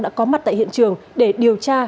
đã có mặt tại hiện trường để điều tra